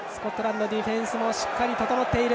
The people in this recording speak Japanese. スコットランドディフェンスもしっかり整っている。